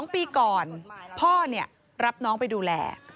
๒ปีก่อนพ่อรับน้องไปดูแล